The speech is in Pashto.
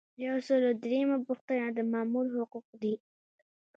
یو سل او دریمه پوښتنه د مامور حقوق دي.